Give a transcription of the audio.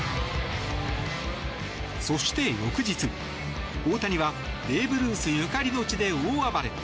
そして翌日、大谷はベーブ・ルースゆかりの地で大暴れ。